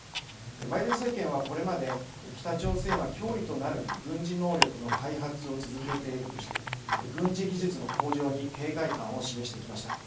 バイデン政権はこれまで北朝鮮は脅威となる軍事能力の開発を続けているとして軍事技術の向上に警戒感を示してきました。